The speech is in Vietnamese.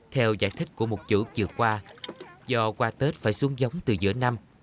theo giải thích của một chủ chừa qua do qua tết phải xuống giống từ giữa năm